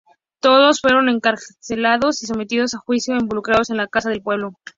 Todos fueron encarcelados y sometidos a juicio revolucionario en la Casa del Pueblo.